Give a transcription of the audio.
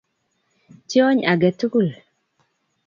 Tyony age tugul.